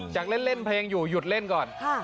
จากเล่นเพลงอยู่หยุดเล่นก่อน